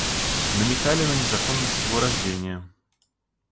Намекали на незаконность его рождения.